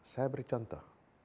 saya beri contoh